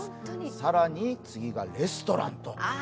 更に次がレストランと。